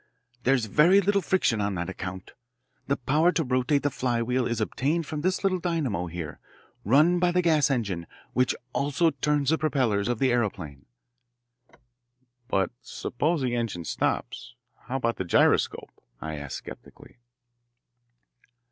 "There's very little friction on that account. The power to rotate the flywheel is obtained from this little dynamo here, run by the gas engine which also turns the propellers of the aeroplane." "But suppose the engine stops, how about the gyroscope?" I asked sceptically.